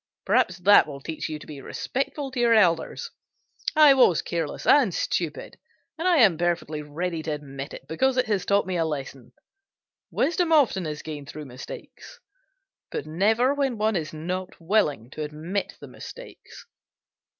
"Perhaps that will teach you to be respectful to your elders. I was careless and stupid, and I am perfectly ready to admit it, because it has taught me a lesson. Wisdom often is gained through mistakes, but never when one is not willing to admit the mistakes.